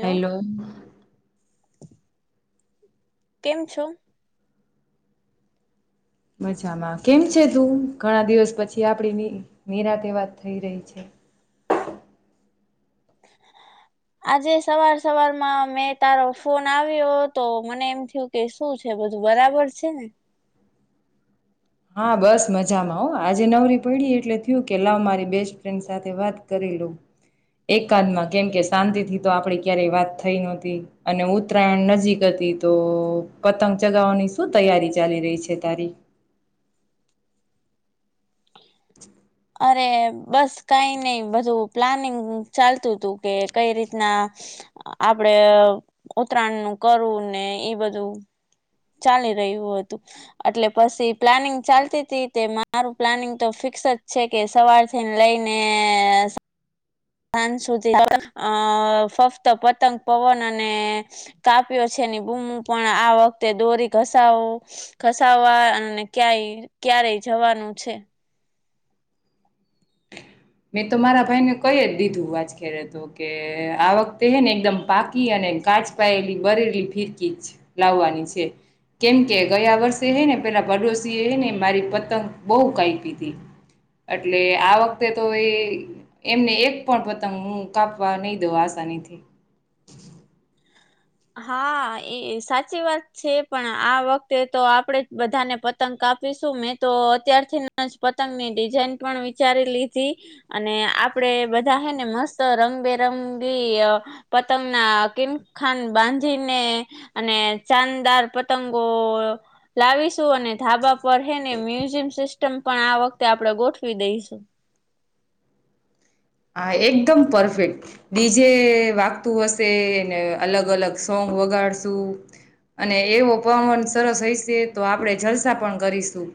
Hello કેમ છો મજામાં કેમ છે તું ઘણા દિવસ પછી આપડી નિ નિરાત એ વાત થઈ રહી છે આજે સવાર સવારમાં મેં તારો ફોન આવ્યો તો મને એમ થયું કે શું છે બધું બરાબર છે ને હા બસ મજામાં હો આજે નવરી પડી એટલે થયું કે લાવ મારી બેસ્ટ ફ્રેન્ડ સાથે વાત કરી લઉ એકાદમાં કેમ કે શાંતિથી તો આપડી ક્યારેય વાત થઈ નહતી અને ઉતરાયણ નજીક હતી તો પતંગ ચગાવવાની શું તૈયારી ચાલી રહી છે તારી અરે બસ કઈ નઈ બધું પ્લાનિંગ ચાલતું હતું કે કઈ રીતના આપડે ઉતરાયણ નું કરવું ને ઈ બધું ચાલી રહ્યું હતું એટલે પછી પ્લાનિંગ ચાલતી તીતે મારું પ્લાનિંગ તો ફિક્સ જ છે કે સવારથીને લઈને સાજ સુધી ફક્ત પતંગ પવન અને કાપ્યો છેની બૂમુ પણ આ વખતે દોરી ઘસવ ઘસાવવા અને ક ક્યારેય જવાનું છે મેં તો મારા ભાઈને કઈ જ દીધું વાજ ખેરે તો કે આ વખતે હે ને એકદમ પાકી અને કાચ પાયેલી બરેલી ફીરકી લાવવાની છે કેમકે ગયા વર્ષે હે ને પેલા પડોશી હે ને મારી પતંગ બહુ કાયપી તી એટલે આ વખતે તો એ એમને એક પણ પતંગ હું કાપવા નહી દઉં આસાનીથી હા એ સાચી વાત છે પણ આ વખતે તો આપડે જ બધાને પતંગ કાપીશું મેં તો અત્યારથી જ પતંગ ની ડિઝઇન પણ વિચારી લીધી અને આપડે બધા હેને મસ્ત રંગબેરંગી પતંગના કિમખાન બાંધીને અને ચાનદાર પતંગો લાવીશું અને ધાબા પણ હે ને મ્યુઝિયમ સિસ્ટ પણ આ વખતે આપણે ગોઠવી દઈશું હા એકદમ પરફેક્ટ ડીજે વાગતું હશેને અલગ અલગ સોંગ વગાડશું અને એવો પવન સરસ હશે તો આપણે જલસા પણ કરીશું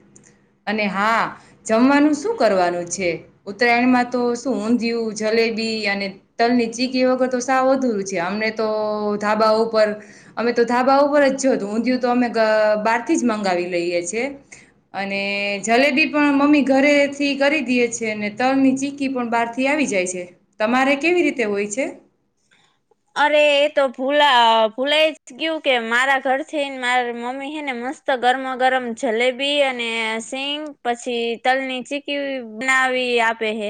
અને હા જમવાનું શું કરવાનું છે ઉત્તરાયણમાં તો શું ઊ ઊંધિયું જલેબી અને તલ ની ચીકી વગર તો સાવ અધુરું છે અમને તો ધાબા ઉપર અમે તો ધાબા ઉપર જ જોત ઊંધિયું તો અમે બહારથી જ મંગાવી લઈએ છે અને જલેબી પણ મમ્મી ઘરેથી કરી દેએ છે અને તલ ની ચીકી પણ બહારથી થી આવી જાય છે તમારે કેવી રીતે હોય છે અરે એ તો ભૂલા ભૂલાય જ ગયું કે મારા ઘરથીને મારા મમ્મી હેને મસ્ત ગરમ ગરમ જલેબી અને સીંગ પછી તલની ચીકી બનાવી આપે હે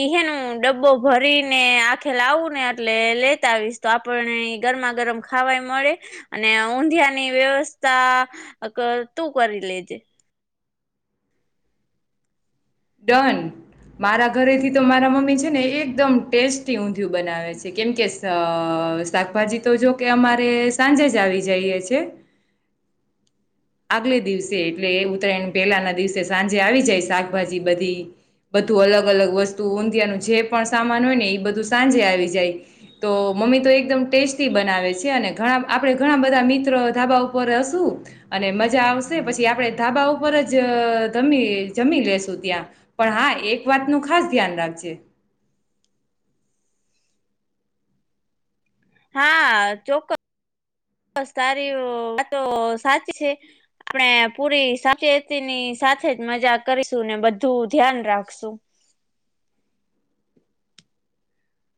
ઈ હેનું ડબ્બો ભરીને આખે લાવું ને એટલે લે સતાવીશ તો આપને ગરમા ગરમ ખાવાય મળે અને ઊંધીયાની વ્યવસ્થા તું કરી લેજે ડન મારા ઘરેથી તો મારા મમ્મી છે ને એકદમ ટેસ્ટી ઊંધિયું બનાવે છે કેમકે શાકભાજી તો જો કે અમારે સાંજે જ આવી જઈએ છે આગલે દિવસે એટલે એ ઉત્તરાયણ પેલાના દિવસે સાંજે આવી જાય શાકભાજી બધી બધું અલગ અલગ વસ્તુ ઊંધીિયાનું જે પણ સામાન હોય ને એ બધું સાંજે આવી જાય તો મમ્મી તો એકદમ ટેસ્ટી બનાવે છે અનેણા આપડણે ઘણા બધા મિત્રો ધાબા ઉપર હશું અને મજા આવશે પછી આપડે ધાબા ઉપર જમી જમી લેશું ત્યાં પણ હા એક વાતનું ખાસ ધ્યાન રાખજે હા ચોક્કસ તારી વાતો સાચી છે આપણે પૂરી સાવચેતીની સાથે જ મજા કરીશું ને બધું ધ્યાન રાખશું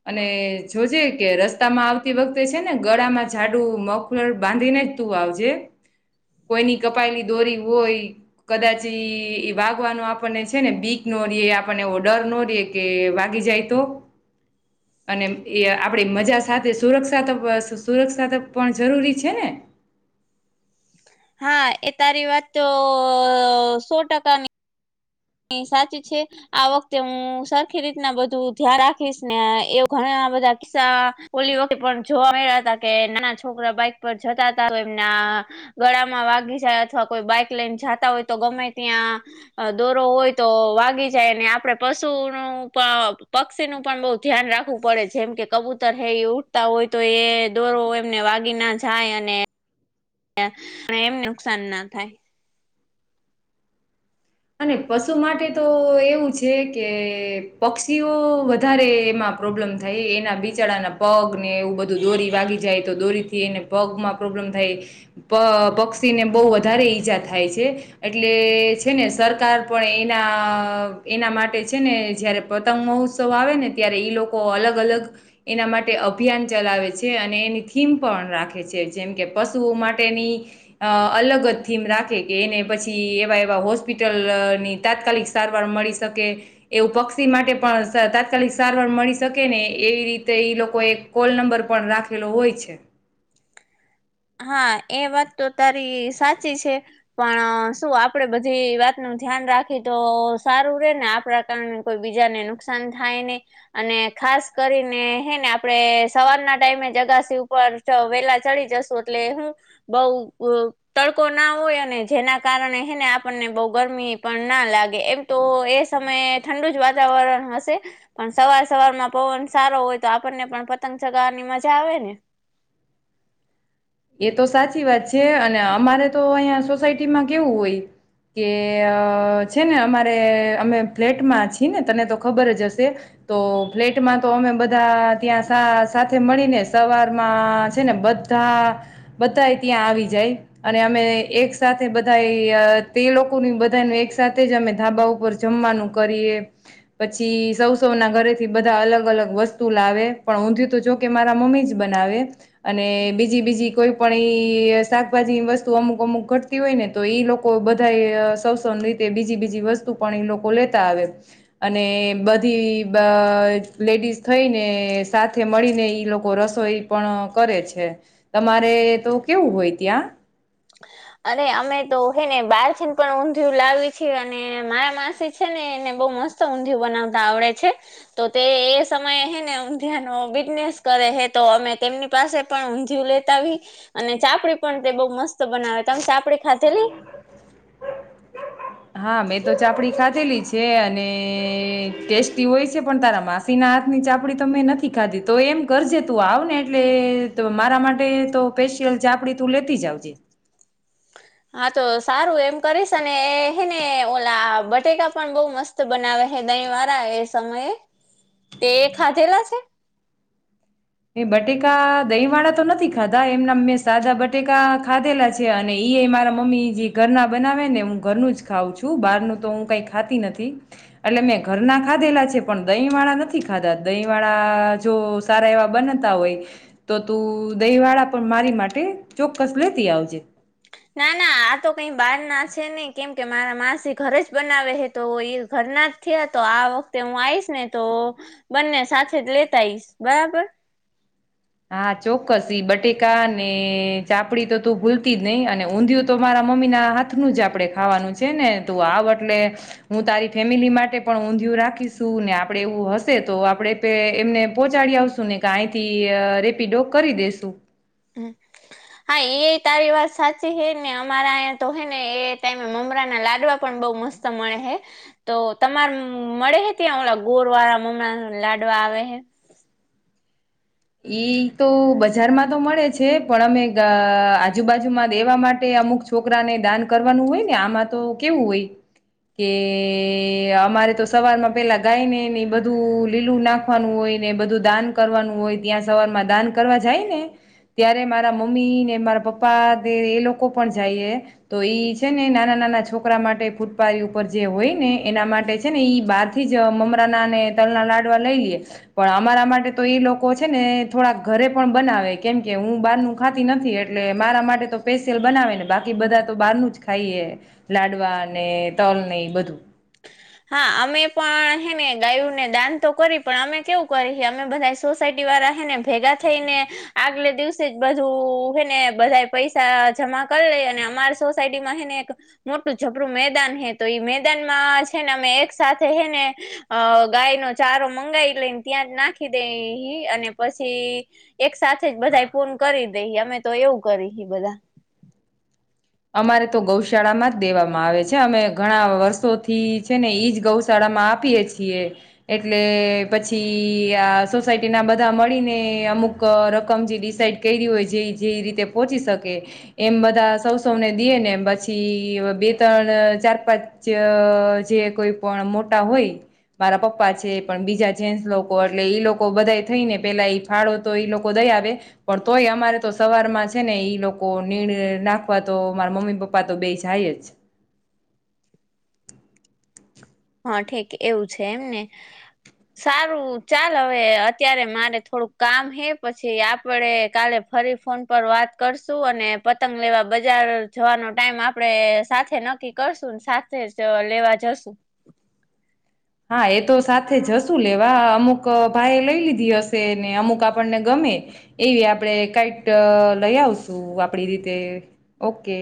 અને જોજે કે રસ્તામાં આવતી વખતે છે ને ગળામાં જાડું મફલર બાંધીને જ તું આવજે કોઈની કપાયેલી દોરી હોય કદાચ એ વાગવાનો આપણને છે ને બીક ન રહીએ આપણને એવો ડર ન રહીએ કે વાગી જાય તો અને એ આપણી મજા સાથે સુરક્ષા ત સુરક્ષા ત પણ જરૂરી છે ને હા એ તારી વાત તો સો ટકાની ની સાચી છે આ વખતે હું સરખી રીતના બધું ધ્યા રાખીશ ને એવું ઘણા બધા કિસ્સા ઓલી વખતે પણ જોવા મળ્યા હતા કે નાના છોકરા બાઈક પર જતા હતા તો એમના ગળામાં વાગી જાય અથવા કોઈ બાઈક લઈન જાતા હોય તો ગમે ત્યાં અ દોરો હોય તો વાગી જાય અને આપડે પશુનું પ પક્ષીનું પણ બઉ ધ્યાન રાખવું પડે જેમ કે કબૂતર હે એ ઉડતા હોય તો એ દોરો એમને વાગી ના જાય અને પણ એમને નુકસાન ના થાય. અને પશુ માટે તો એવું છે કે પક્ષીઓ વધારે એમાં પ્રોબ્લેમ થાય એના બિચાડાના પગ ને એવું બધું દોરી વાગી જાય તો દોરીથી એને પગમાં પ્રોબ્લમ થાય પ પક્ષીને બઉ વધારે ઈજા થાય છે એટલે છે ને સરકાર પણ એના એના માટે છે ને જયારે પતંગ મહોત્સવ આવે ને ત્યારે ઈ લોકો અલગ અલગ એના માટે અભિયાન ચલાવે છે અને એની થીમ પણ રાખે છે જેમ કે પશુઓ માટેની અ અલગ જ થીમ રાખે કે એને પછી એવા એવા હોસ્ હોસ્પિટલની તાત્કાલિક સારવાર મળી શકે એવું પક્ષી માટે પણ સ તાત્કાલિક સારવાર મળી શકે ને એવી રીતે ઈ લોકો એક કોલ નંબર પણ રાખેલો હોય છે. હા એ વાત તો તારી સાચી છે પણ શું આપડે બધી વાત નુ ધ્યાન રાખી તો સારું રે ને આપણા કારણે કોઈ બીજાને નુકસાન થાય નહી અને ખાસ કરીને હેને આપડે સવારના ટાઈમે જગાસી ઉપર ચ વેલા ચડી જશું. એટલે હું બઉ ઉમ તડકો ના હોય અને જેના કારણે હે ને આપણને બઉ ગરમી પણ ના લાગે એમ તો એ સમયે ઠંડુ જ વાતાવરણ હશે પણ સવાર સવારમાં પવન સારો હોય તો આપણને પણ પતંગ ચગાવાની મજા આવે ને. એ તો સાચી વાત છે અને અમારે તો અહીંયા સોસાયટીમાં કેવું હોય કે અ છે ને અમારે અમે ફ્લેટમાં છીએ ને તને તો ખબર જ હશે તો ફ્લેટમાં તો અમે બધા ત્યાં સા સાથે મળીને સવારમાં છે ને બધા બધાય ત્યાં આવી જાય અને અમે એક સાથે બધાય અ તે લોકોનુય બધાનુ એક સાથે જ અમે ધાબા ઉપર જમવાનું કરીએ પછી સૌ સૌ ના ઘરેથી બધા અલગ અલગ વસ્તુ લાવે પણ ઊંધીયુ તો જોકે મારા મમ્મી જ બનાવે અને બીજી બીજી કોઈ પણ ઈ શાકભાજીની વસ્તુ અમુક અમુક ઘટતી હોય ને તો ઈ લોકો બધાય સવસવની રીતે બીજી બીજી વસ્તુ પણ ઈ લોકો લેતા આવે અને બધી બ લેડીઝ થઈને સાથે મળીને ઈ લોકો રસોઈ પણ કરે છે. તમારે તો કેવું હોય ત્યાં? અરે અમે તો હેને બારથીન પણ ઊંધિયું લાવી છીએ અને માર માસી છે ને એને બઉ મસ્ત ઊંધિયું બનાવતા આવડે છે તો તે એ સમયે હેને ઊંધીયાનો બિઝનેસ કરે હે તો અમે તેમની પાસે પણ ઊંધિયું લેતાવી અને ચાપડી પણ તે બઉ મસ્ત બનાવે તમ પાપડી ખાધેલી? હા મેં તો ચાપડી ખાધેલી છે અને ટેસ્ટી હોય છે પણ તારા માસીના હાથની ચાપડી તો મેં નથી ખાધી તો એમ કરજે તું આવને એટલે તો મારા માટે તો પેશિયલ ચાપડી તું લેતી જ આવજે. હા તો સારું એમ કરીશ અને હે ને ઓલા બટેકા પણ બઉ મસ્ત બનાવે હે દહીં વાળા એ સમયે. તે એ ખાધેલા છે? બટેકા દહીં વાળા તો નથી ખાધા એમનામ મેં સાદા બટેકા ખાધેલા છે અને ઈએ મારા મમ્મી જે ઘર ના બનાવે ને હું ઘરનું જ ખાઉં છું બહાર ન તો હું કઈ ખાતી નથી એટલે મેં ઘર ના ખાધેલા છે પણ દહીં વાળા નથી ખાધા દહીં વાળા જો સારા એવા બનતા હોય તો તું દહી વાળા પણ મારી માટે ચોક્કસ લેતી આવજે. ના ના આ તો કઈ બહાર ના છે નઈ કેમકે મારા માસી ઘરે જ બનાવે હે તો ઈ ઘરના જ થયા તો આ વખતે હું આઈશ ને તો બંને સાથે જ લેતા આઈશ. બરાબર? હા ચોક્કસ ઈ બટેકા ને ચાપડી તો તું ભૂલતી જ નહિ અને ઊંધિયું તો મારા મમ્મીના હાથનું જ આપડે ખાવાનું છે ને તું આવ અટલે હું તારી ફેમિલી માટે પણ ઊંધિયું રાખીશું ને આપડે એવું હશે તો આપડે બે એમને પોહોંચાડી આવશું ને કા આંયથી અ રેપીડો કરી દેશું. હ હા એ તારી વાત સાચી હે ને અમારા આંય તો હે ને એ ટાઈમે મમરા ના લાડવા પણ બઉ મસ્ત મળે હે તો તમાર મળે હે ત્યાં ઓલા ગોર વાળા મમરા લાડવા આવે હે? ઈ તો બજારમાં તો મળે છે પણ અમે અ આજુબાજુમાં દેવા માટે અમુક છોકરાને દાન કરવાનું હોય ને આમાં તો કેવું હોય, કે અમારે તો સવારમાં પેલા ગાય ને ને બધું લીલું નાખવાનું હોય ને બધું દાન કરવાનું હોય, ત્યાં સવાર માં દાન કરવા જાય ને ત્યારે મારા મમ્મી ને મારા પપ્પા તે એ લોકો પણ જાયએ, તો ઈ છે ને નાના નાના છોકરા માટે ફૂટપારી ઉપર જે હોય ને એના માટે છે ને ઈ બહાર થી જ મમરા ના ને તલના લાડવા લઈ લ્યે પણ અમારા માટે તો એ લોક, કો છે ને થોડા ઘરે પણ બનાવે કેમ કે હું બારનુ ખાતી નથી એટલે મારા માટે તો પેશિયલ બનાવે ને બાકી બધા તો બારનુ જ ખાઈએ, લાડવા ને, તલ ને બધું. હા અમે પણ હેને ગાયુંને દાન તો કરી પણ અમે કેવું કરી હી અમે બધા સોસાયટી વાળા હેને ભેગા થઈને આગલે દિવસે જ બધું હેને બધા પૈસા જમા કર લઈએ અને અમારી સોસાયટી માં હેને એક મોટું જબરું મેદાન હે તો ઈ મેદાન માં જ, છેને અમે એક સાથે હેને અ ગાય નો ચારો મંગાઈ લઈન ત્યાં જ નાખી દેઈ અને પછી એક સાથે જ બધા ફૂન કરી દેહિ અમે તો એવું કરી હિ બધા. અમારે તો ગૌશાળામાં જ દેવામાં આવે છે અમે ઘણા વર્ષોથી છે ને ઈજ ગૌશાળામાં આપીએ છીએ એટલે પછી આ સોસાયટી ના બધા મળીને અમુક રકમ જે ડિસાઈડ કયરી હોય જે જે રીતે પોહોચી શકે એમ બધા સૌ, સૌને દીએને પછી બે ત્રણ ચાર પાંચ અ જે કોઈ પણ મોટા હોય મારા પપ્પા છે પણ બીજા જેન્સ લોકો અટલે ઈ લોકો બધા થઈ ને પેલા ઈ ફાળો તો ઈ લોકો દઈ આવે પણ તોય અમારે તો સવારમાં છે ને ઈ લોકો નીણ નાખ પા તો મારા મમ્મી પપ્પા તો બે જાય જ હા ઠેક એવું છે એમને સારું ચાલ હવે અત્યારે મારે થોડુંક કામ હે પછી આપડે કાલે ફરી ફોન પર વાત કરશું અને પતંગ લેવા બજાર જવાનો ટાઈમ આપણે સાથે નક્કી કરશુંન સાથે જ લેવા જશું હા એ તો સાથે જશું લેવા અમુક ભાઈએ લઈ લીધી હશે ને અમુક આપણને ગમે એવી આપણે કઈટ લઈ આવશું આપડી રીતે ઓકે.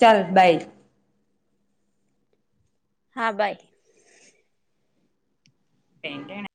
ચાલ બાય હા બાય ટેન ટેન